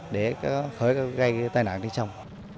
để khởi gây tai nạn đi trong